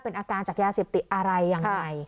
เป็นอาการจากยาเสพติดอะไรยังไง